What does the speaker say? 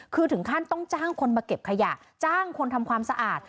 คือถึงขั้นต้องจ้างคนมาเก็บขยะจ้างคนทำความสะอาด